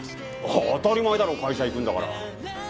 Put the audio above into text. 当たり前だろ会社行くんだから。